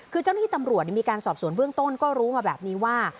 คือเจ้าหน้าที่ตำรวจมีการสอบสวนเบื้องต้นก็รู้มาแบบนี้ว่า